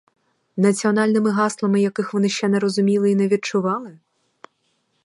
Національними гаслами, яких вони ще не розуміли й не відчували?